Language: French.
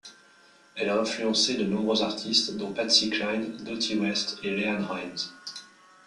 Elle a influencé de nombreux artistes, dont Patsy Cline, Dottie West et LeAnn Rimes.